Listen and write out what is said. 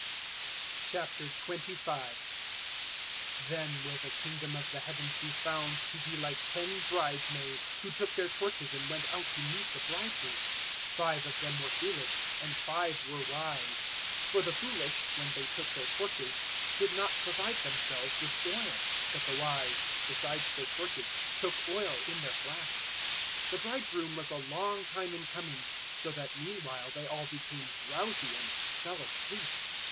025:001 "Then will the Kingdom of the Heavens be found to be like ten bridesmaids who took their torches and went out to meet the bridegroom. 025:002 Five of them were foolish and five were wise. 025:003 For the foolish, when they took their torches, did not provide themselves with oil; 025:004 but the wise, besides their torches, took oil in their flasks. 025:005 The bridegroom was a long time in coming, so that meanwhile they all became drowsy and fell asleep.